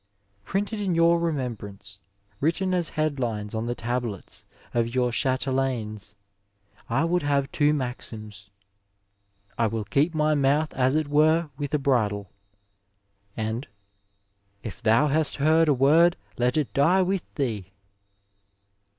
Printed in your remembrance, written as headlines on the tablets of your chatelaines, I would have two maxims :^^ I will keep my mouth as it were with a bridle," and "' If thou hast heard a word let it die with thee."